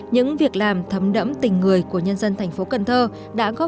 những việc làm thấm đẫm tình người của nhân dân thành phố cần thơ